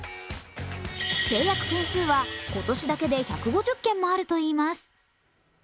成約件数は今年だけで１５０件もあるといいます。